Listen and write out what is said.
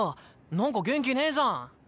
なんか元気ねぇじゃん。